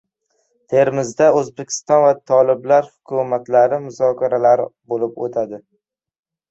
Termizda O‘zbekiston va toliblar hukumatlari muzokaralari bo‘lib o‘tadi